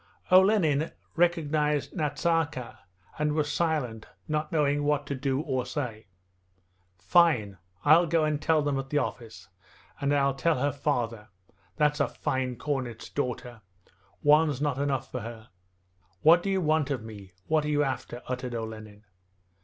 Olenin recognized Nazarka, and was silent, not knowing what to do or say. 'Fine! I'll go and tell them at the office, and I'll tell her father! That's a fine cornet's daughter! One's not enough for her.' 'What do you want of me, what are you after?' uttered Olenin.